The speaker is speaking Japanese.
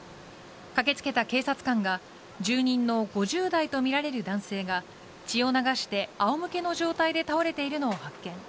駆けつけた警察官が住人の５０代とみられる男性が血を流して、仰向けの状態で倒れているのを発見。